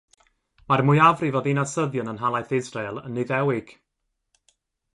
Mae'r mwyafrif o ddinasyddion yn Nhalaith Israel yn Iddewig.